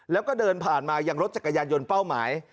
แล้วก็เดินผ่านมายังรถจักรยานยนต์เป้าหมาย